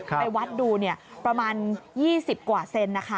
ไปวัดดูนี่ประมาณ๒๐กว่าเซนติเซนตินะคะ